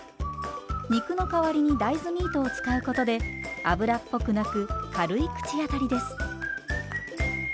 肉の代わりに大豆ミートを使うことで油っぽくなく軽い口当たりです。